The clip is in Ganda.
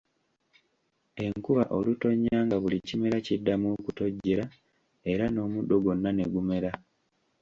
Enkuba olutonya nga buli kimera kiddamu okutojjera era n'omuddo gwonna ne gumera.